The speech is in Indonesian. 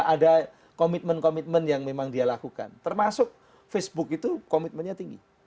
ada komitmen komitmen yang memang dia lakukan termasuk facebook itu komitmennya tinggi